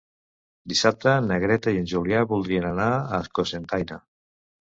Dissabte na Greta i en Julià voldrien anar a Cocentaina.